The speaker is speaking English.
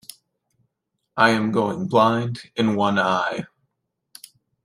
I am going blind in one eye.